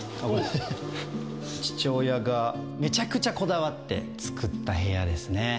父親がめちゃくちゃこだわって作った部屋ですね。